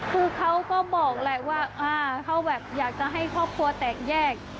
คือเขาก็บอกแหละว่าเขาแบบอยากจะให้ครอบครัวแตกแยก